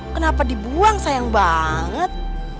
kenapa dibuang sayang banget